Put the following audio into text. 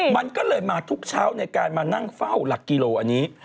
มันก็เลยมาทุกเช้าในการมานั่งเฝ้าหลักกิโลอันนี้